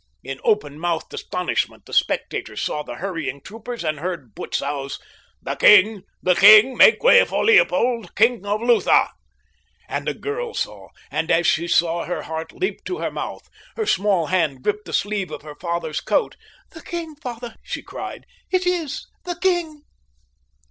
In open mouthed astonishment the spectators saw the hurrying troopers and heard Butzow's "The king! The king! Make way for Leopold, King of Lutha!" And a girl saw, and as she saw her heart leaped to her mouth. Her small hand gripped the sleeve of her father's coat. "The king, father," she cried. "It is the king."